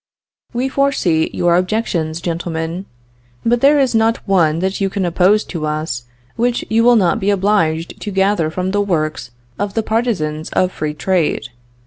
"We foresee your objections, gentlemen; but there is not one that you can oppose to us which you will not be obliged to gather from the works of the partisans of free trade.